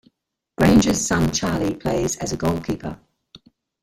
Grainger's son Charlie plays as a goalkeeper.